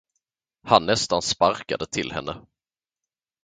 Han nästan sparkade till henne.